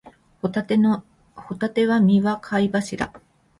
ホタテは実は貝柱